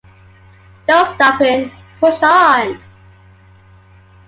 No Stopping, Push On!